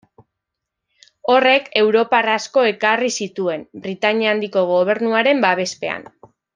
Horrek europar asko ekarri zituen, Britainia Handiko gobernuaren babespean.